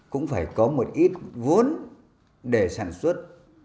cũng phải có một ít vốn để sản xuất